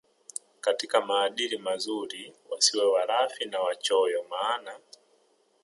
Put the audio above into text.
katika maadili mazuri wasiwe walafi na wachoyo maana